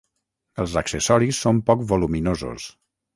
Els accessoris són poc voluminosos.